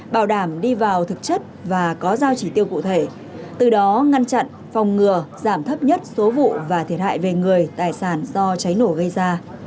bảo đảm đi vào thực chất và có giao chỉ tiêu cụ thể từ đó ngăn chặn phòng ngừa giảm thấp nhất số vụ và thiệt hại về người tài sản do cháy nổ gây ra